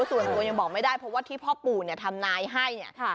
ส่วนตัวยังบอกไม่ได้เพราะว่าที่พ่อปู่เนี่ยทำนายให้เนี่ย